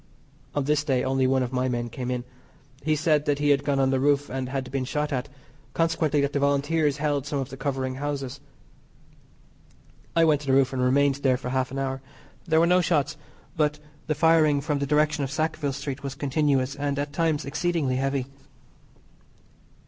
On this day only one of my men came in. He said that he had gone on the roof and had been shot at, consequently that the Volunteers held some of the covering houses. I went to the roof and remained there for half an hour. There were no shots, but the firing from the direction of Sackville Street was continuous and at times exceedingly heavy.